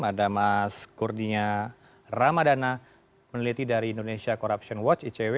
ada mas kurnia ramadana peneliti dari indonesia corruption watch icw